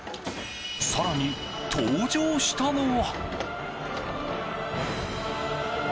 更に登場したのは。